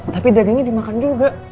tapi dagangnya dimakan juga